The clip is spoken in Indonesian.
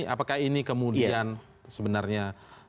apakah ini kemudian sebenarnya